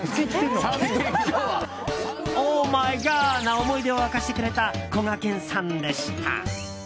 オーマイガーな思い出を明かしてくれたこがけんさんでした。